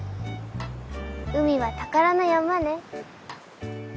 海は宝の山ね。